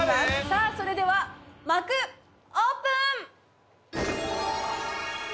さあそれでは幕オープン！